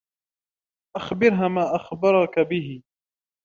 أخبرها ما أخبركَ به.